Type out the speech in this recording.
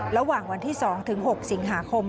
ระหว่างวันที่๒๖สิงหาคม